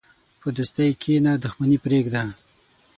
په دوستۍ کښېنه، دښمني پرېږده.